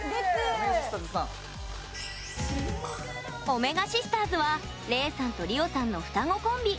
おめがシスターズはレイさんとリオさんの双子コンビ。